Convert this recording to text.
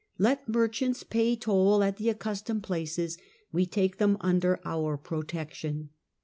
Let merchants pay toll at the accustomed places ; we take them under our protection.